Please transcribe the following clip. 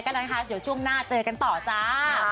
เด็กไปแล้วกันนะครับเดี๋ยวช่วงหน้าเจอกันต่อจ้า